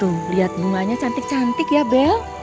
tuh lihat bunganya cantik cantik ya bel